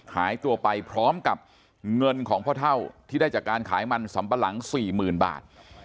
หายตัวไปพร้อมกับเงินของพ่อเท่าที่ได้จากการขายมันสำปะหลัง๔๐๐๐บาท